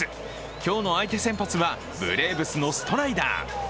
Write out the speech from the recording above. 今日の相手先発はブレーブスのストライダー。